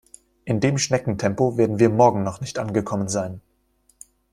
In dem Schneckentempo werden wir morgen noch nicht angekommen sein.